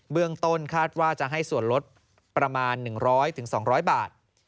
เรื่องต้นคาดว่าจะให้ส่วนลดประมาณ๑๐๐๒๐๐บาท